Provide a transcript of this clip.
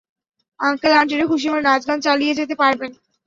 Uncle আন্টিরা খুশিমনে নাচ-গান চালিয়ে যেতে পারবেন।